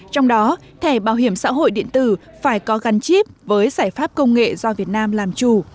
trong đó thẻ bảo hiểm xã hội điện tử phải có gắn chip với giải pháp công nghệ do việt nam làm chủ